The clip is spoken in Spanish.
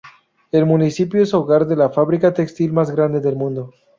El municipio es hogar de la fábrica textil más grande del mundo.